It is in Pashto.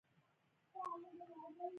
بېنډۍ د زړه ضربان برابر ساتي